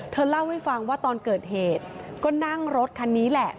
เธอเล่าให้ฟังว่าตอนเกิดเหตุก็นั่งรถคันนี้แหละ